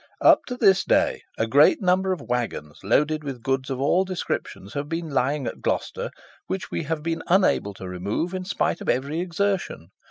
"Up to this day a great number of waggons laden with goods of all descriptions have been lying at Gloucester, which we have been unable to remove in spite of every exertion.